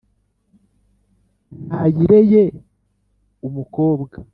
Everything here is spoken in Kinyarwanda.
nayireye umukobwa